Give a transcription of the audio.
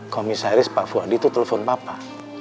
komisaris pak fuad itu telpon bapak